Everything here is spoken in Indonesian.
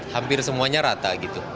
hampir semuanya rata gitu